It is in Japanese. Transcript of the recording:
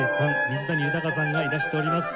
水谷豊さんがいらしております。